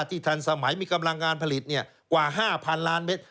ทันสมัยมีกำลังงานผลิตกว่า๕๐๐๐ล้านเมตร